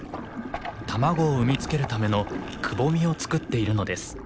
卵を産み付けるためのくぼみを作っているのです。